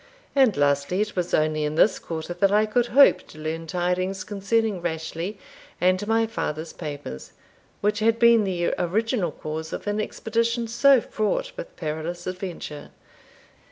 And lastly, it was only in this quarter that I could hope to learn tidings concerning Rashleigh and my father's papers, which had been the original cause of an expedition so fraught with perilous adventure.